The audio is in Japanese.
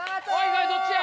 どっちや？